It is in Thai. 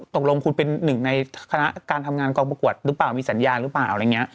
ตกลงคุณเป็นหนึ่งในคณะการทำงานกองประกวดหรือเปล่ามีสัญญาหรือเปล่าอะไรอย่างนี้